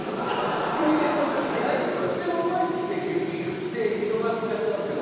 「何食ってもうまい」って言って広がっちゃってますけど。